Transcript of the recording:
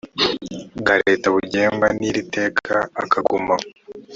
bwa leta bugengwa n iri teka akagumana